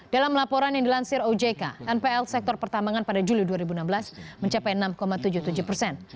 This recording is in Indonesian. dalam laporan yang dilansir ojk npl sektor pertambangan pada juli dua ribu enam belas mencapai enam tujuh puluh tujuh persen